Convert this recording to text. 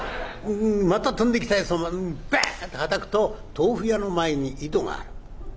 「また飛んできたやつをバアッてはたくと豆腐屋の前に井戸がある。